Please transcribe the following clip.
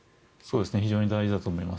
非常に大事だと思います。